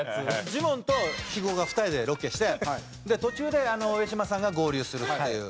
ジモンと肥後が２人でロケして途中で上島さんが合流するっていうロケなんですけど。